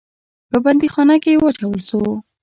په بندیخانه کې واچول سو.